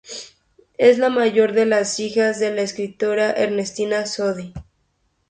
Es la mayor de las hijas de la escritora Ernestina Sodi.